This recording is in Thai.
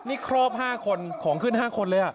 นี่ครอบ๕คนของขึ้น๕คนเลย